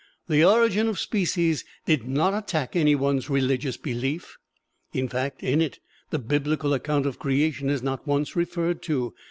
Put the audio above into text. "The Origin of Species" did not attack any one's religious belief in fact, in it the biblical account of Creation is not once referred to.